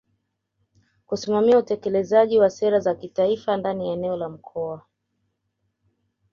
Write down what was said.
kusimamia utekelezaji wa sera za kitaifa ndani ya eneo la Mkoa